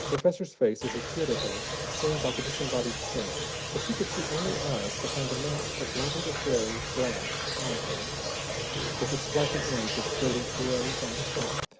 The professor's face, as he peered at her, seemed like a disembodied stare, for she could see only eyes behind a mask of lavender gray glass eyeholes, with its flapping ends of dirty, gray white cloth.